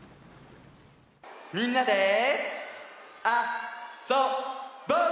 みんなであ・そ・ぼっ！